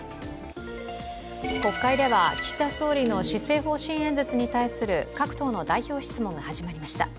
国会では岸田総理の施政方針演説に対する各党の代表質問が始まりました。